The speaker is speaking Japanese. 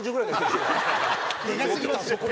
でかすぎますよ。